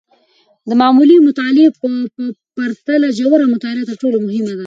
د معمولي مطالعې په پرتله، ژوره مطالعه تر ټولو مهمه ده.